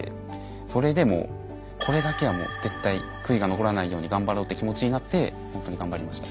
それでもうこれだけはもう絶対悔いが残らないように頑張ろうって気持ちになってほんとに頑張りました。